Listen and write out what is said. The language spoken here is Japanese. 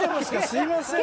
すいません。